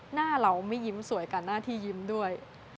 หน้าเราไม่ยิ้มสวยกันหน้าที่ยิ้มด้วย